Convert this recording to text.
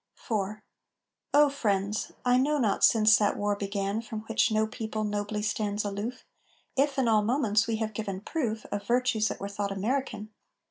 IV O friends! I know not since that war began From which no people nobly stands aloof If in all moments we have given proof Of virtues that were thought American.